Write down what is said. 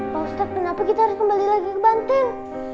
pak ustadz kenapa kita harus kembali lagi ke banten